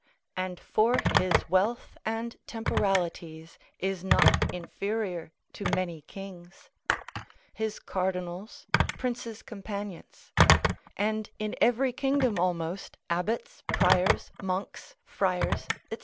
And for his wealth and temporalities, is not inferior to many kings: his cardinals, princes' companions; and in every kingdom almost, abbots, priors, monks, friars, &c.